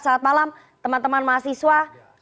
selamat malam teman teman mahasiswa